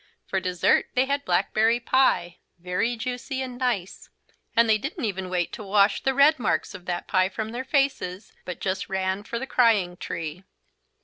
For desert they had blackberry pie, very juicy and nice, and they didn't even wait to wash the red marks of that pie from their faces but just ran for the Crying Tree.